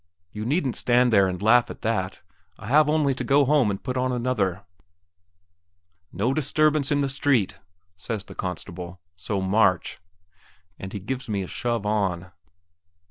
you needn't stand there and laugh at that ... I have only to go home and put on another." "No disturbance in the street," says the constable; "so, march," and he gives me a shove on.